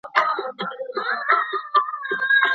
که ته غواړې تاریخ ولیکې نو د سکرین په کونج کي یې ولیکه.